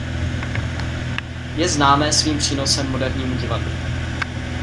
Je známé svým přínosem modernímu divadlu.